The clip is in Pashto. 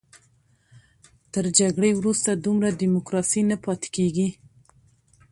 تر جګړې وروسته دومره ډیموکراسي نه پاتې کېږي.